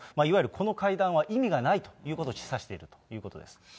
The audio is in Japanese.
いわゆるこの会談は意味がないということを示唆しているということです。